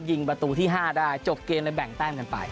ยิงประตูที่๕ได้จบเกมเลยแบ่งแต้มกันไป